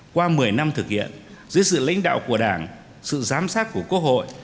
qua một mươi năm thực hiện dưới sự lãnh đạo của đảng sự giám sát của quốc hội